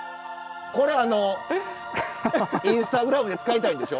これインスタグラムで使いたいんでしょ？